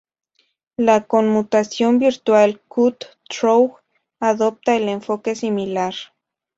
La conmutación virtual cut-through adopta un enfoque similar.